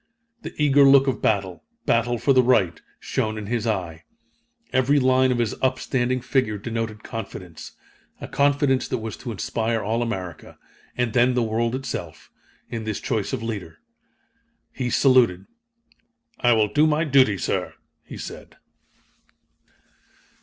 The eager look of battle battle for the right shone in his eye. Every line of his upstanding figure denoted confidence a confidence that was to inspire all America, and then the world itself, in this choice of leader. He saluted. "I will do my duty, sir," he said.